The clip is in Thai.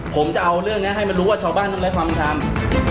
ผมจะเอาเรื่องนี้ให้มันรู้ว่าชาวบ้านต้องได้ความทำ